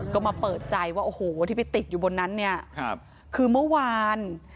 ก็มาเปิดใจว่าโอ้โหที่ไปติดอยู่บนนั้นเนี่ยคือเมื่อวาน